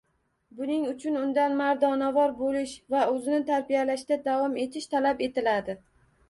Buning uchun undan mardonavor boʻlish va oʻzini tarbiyalashda davom etish talab etiladi